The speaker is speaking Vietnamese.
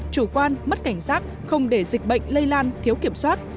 chủ quan mất cảnh giác không để dịch bệnh lây lan thiếu kiểm soát